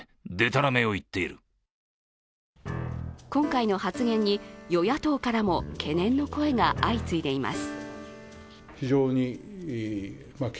今回の発言に与野党からも懸念の声が相次いでいます。